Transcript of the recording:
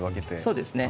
そうですね。